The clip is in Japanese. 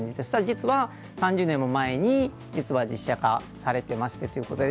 実は、３０年も前に実写化されていましてということで。